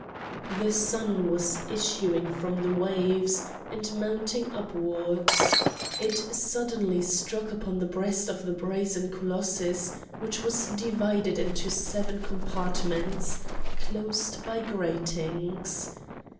The sun was issuing from the waves and mounting upwards. It suddenly struck upon the breast of the brazen colossus, which was divided into seven compartments closed by gratings.